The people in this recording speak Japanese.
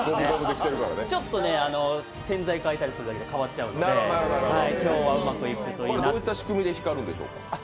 ちょっと洗剤変えたりするだけで変わっちゃったりするので今日はうまくいくといいなとこれどういった仕組みで光るんでしょうか？